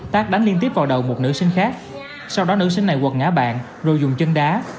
tác đánh liên tiếp vào đầu một nữ sinh khác sau đó nữ sinh này quật ngã bạn rồi dùng chân đá